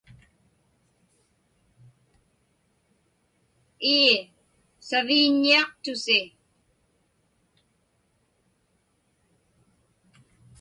Ii, saviiññiaqtusi.